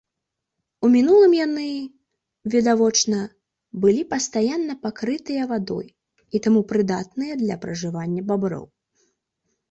У мінулым яны, відавочна, былі пастаянна пакрытыя вадой і таму прыдатныя для пражывання баброў.